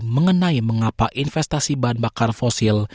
mengenai mengapa investasi bahan bakar fosil